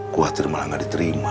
kuatir malah gak diterima